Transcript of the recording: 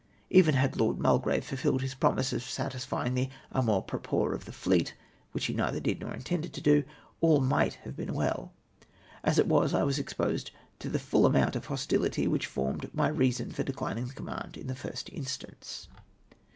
Even had Lord Mulgrave fulfilled his promise of satis fymg the amour propre of the fleet — which he neither did nor intended to do — all might have been well. As it was, I was exposed to the full amount of hostihty which formed my reason for dechning the command in the first instance.